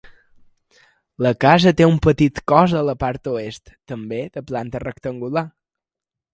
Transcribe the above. La casa té un petit cos a la part oest, també de planta rectangular.